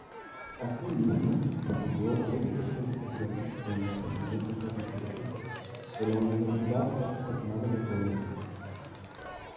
Así mismo, estudió especialización en Ordenamiento Territorial de la Universidad Externado de Colombia.